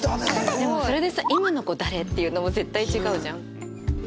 でもそれでさ「今の子誰？」って言うのも絶対違うじゃん。